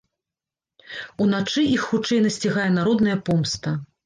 Уначы іх хутчэй насцігае народная помста.